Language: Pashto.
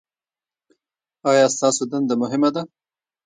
ایا ستاسو دنده مهمه ده؟